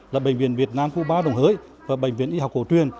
là bệnh viện việt nam phú ba đồng hới và bệnh viện y học học truyền